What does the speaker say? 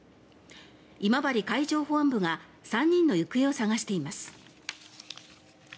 今治海上保安部が３人の行方を捜しています。